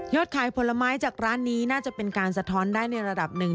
ขายผลไม้จากร้านนี้น่าจะเป็นการสะท้อนได้ในระดับหนึ่ง